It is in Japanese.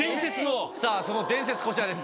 さぁその伝説こちらです。